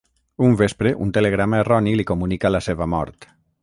Un vespre, un telegrama erroni li comunica la seva mort.